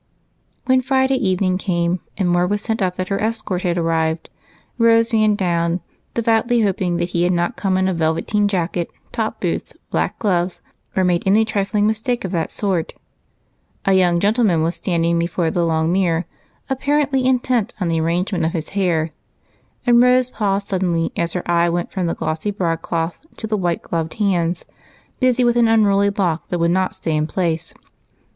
When Friday evening came and word was sent up that her escort had arrived, Rose ran down, devoutly hoping that he had not come in a velveteen jacket, top boots, black gloves, or made any trifling mistake of that sort. A young gentleman was standing before the long mirror, apparently intent upon the arrangement of his hair, and Rose paused suddenly as her eye went from the glossy broadcloth to the white gloved hands, busy with an unruly lock that would not stay in place.